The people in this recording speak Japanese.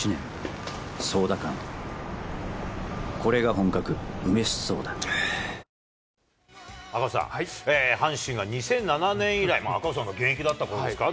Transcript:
ホーユー赤星さん、阪神が２００７年以来、赤星さんが現役だったころですか？